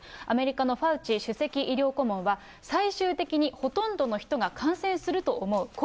アメリカのファウチ首席医療顧問は、最終的にほとんどの人が感染すると思う。